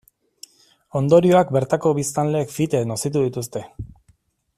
Ondorioak bertako biztanleek fite nozitu dituzte.